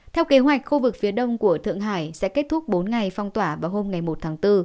theo kế hoạch khu vực phía đông của thượng hải sẽ kết thúc bốn ngày phong tỏa vào hôm một tháng bốn